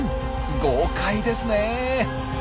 豪快ですね！